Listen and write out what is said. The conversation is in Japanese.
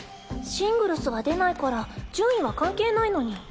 シングルスは出ないから順位は関係ないのに。